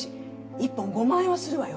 １本５万円はするわよ。